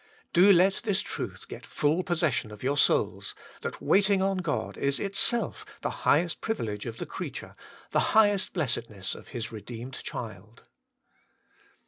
Do let this truth get full possession of your souls, that waiting on God is itself the highest privilege of the creature, the highest blessedness of His redeemed child.